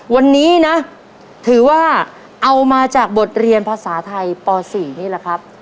วันนี้นะถือว่าเอามาจากบทเรียนภาษาไทยป๔นี่แหละครับ